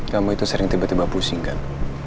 kamu itu sering tiba tiba pusing kan